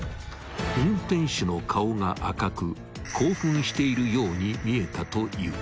［運転手の顔が赤く興奮しているように見えたという］